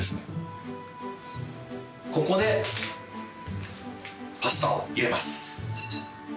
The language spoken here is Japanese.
ここでパスタを入れます。